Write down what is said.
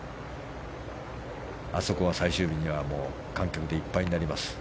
あそこは最終日には観客でいっぱいになります。